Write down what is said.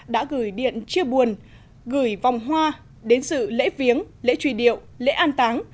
đã gửi điện chia buồn gửi vòng hoa đến sự lễ viếng lễ truy điệu lễ an táng